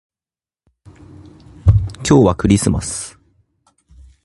今日はクリスマス